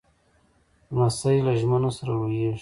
لمسی له ژمنو سره لویېږي.